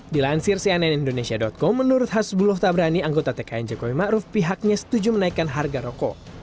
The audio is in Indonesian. dilansir cnn indonesia com menurut hasbuloh tabrani anggota tkn jokowi ⁇ maruf ⁇ pihaknya setuju menaikkan harga rokok